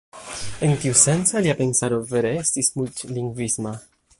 En tiu senco, lia pensaro vere estis multlingvisma.